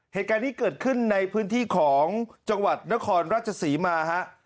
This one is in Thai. เหตุการณ์นี้เกิดขึ้นในพื้นที่ของจังหวัดนครราชศรีมาฮะ